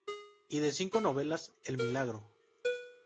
Y de cinco novelas: "El Milagro.